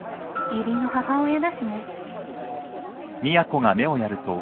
義理の母親だしね。